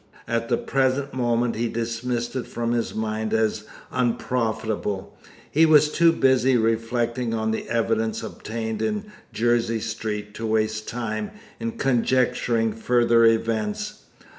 At the present moment he dismissed it from his mind as unprofitable. He was too busy reflecting on the evidence obtained in Jersey Street to waste time in conjecturing further events.